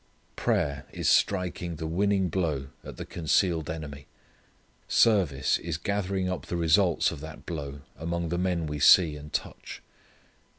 Prayer is striking the winning blow at the concealed enemy. Service is gathering up the results of that blow among the men we see and touch.